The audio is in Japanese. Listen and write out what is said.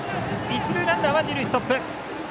一塁ランナーは二塁ストップ。